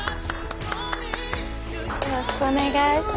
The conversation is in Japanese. よろしくお願いします。